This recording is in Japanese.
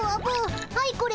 はいこれ。